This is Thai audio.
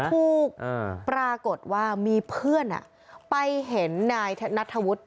แล้วทุกปรากฏว่ามีเพื่อนอ่ะไปเห็นนายนาธวุฒิ